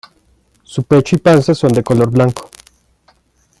Su pecho y panza son de color blanco.